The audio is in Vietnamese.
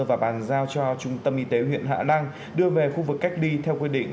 và bàn giao cho trung tâm y tế huyện hạ năng đưa về khu vực cách ly theo quy định